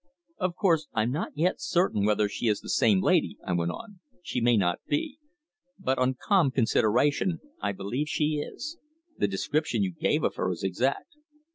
"Of course I'm not yet certain whether she is the same lady," I went on. "She may not be. But on calm consideration I believe she is. The description you give of her is exact."